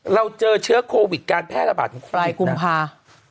เราเจอเชื้อโควิดการแพร่ระบาดของปลายกุมภา